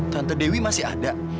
tante dewi masih ada